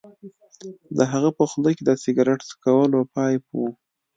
د هغه په خوله کې د سګرټ څکولو پایپ و